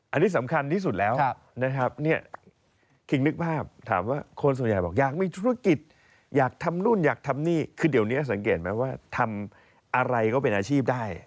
อันนี้สำคัญที่สุดแล้วนะครับเนี่ยคิงนึกภาพถามว่าคนส่วนใหญ่บอกอยากมีธุรกิจอยากทำนู่นอยากทำนี่คือเดี๋ยวนี้สังเกตไหมว่าทำอะไรก็เป็นอาชีพได้